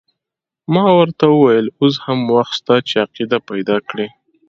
ما ورته وویل اوس هم وخت شته چې عقیده پیدا کړې.